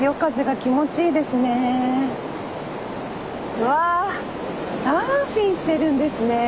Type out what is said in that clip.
うわサーフィンしてるんですね。